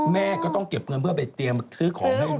แม่ก็ต้องเก็บเงินเพื่อไปเตรียมซื้อของให้